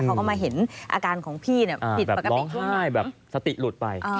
เขาก็มาเห็นอาการของพี่เนี่ยผิดปกติใช่แบบสติหลุดไป